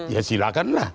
ya silakan lah